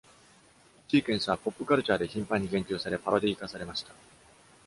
シーケンスはポップカルチャーで頻繁に言及され、パロディ化されました。